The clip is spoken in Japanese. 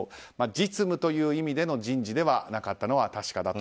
実務という意味での人事ではなかったのは確かだと。